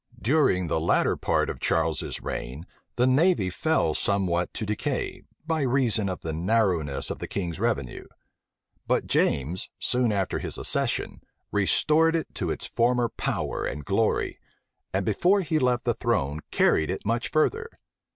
[] During the latter part of Charles's reign, the navy fell somewhat to decay, by reason of the narrowness of the king's revenue: but James, soon after his accession, restored it to its former power and glory; and before he left the throne, carried it much further.